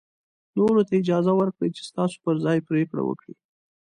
نورو ته اجازه ورکړئ چې ستاسو پر ځای پرېکړه وکړي.